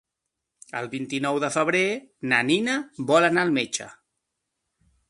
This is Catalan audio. El vint-i-nou de febrer na Nina vol anar al metge.